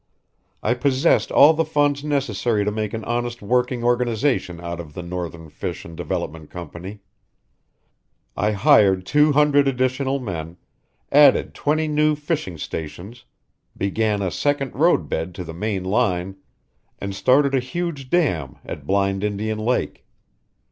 I possessed all the funds necessary to make an honest working organization out of the Northern Fish and Development Company. I hired two hundred additional men, added twenty new fishing stations, began a second road bed to the main line, and started a huge dam at Blind Indian Lake.